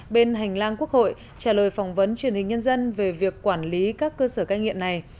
bên hành lang quốc hội trả lời phỏng vấn truyền hình nhân dân về việc quản lý các cơ sở cai nghiện này